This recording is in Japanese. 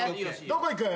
どこいく？